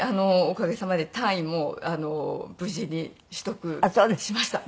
おかげさまで単位も無事に取得しました。